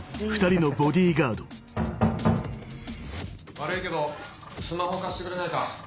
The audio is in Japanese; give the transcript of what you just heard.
・悪いけどスマホ貸してくれないか？